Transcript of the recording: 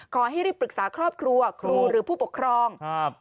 ขอให้รีบปรึกษาครอบครัวครูหรือผู้ปกครองครับ